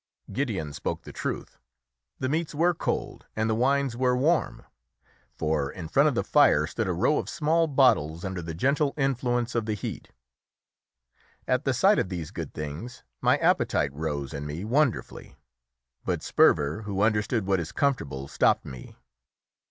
Gideon spoke the truth. The meats were cold and the wines were warm, for in front of the fire stood a row of small bottles under the gentle influence of the heat. At the sight of these good things my appetite rose in me wonderfully. But Sperver, who understood what is comfortable, stopped me.